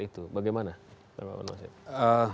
itu bagaimana pak bapak mas eko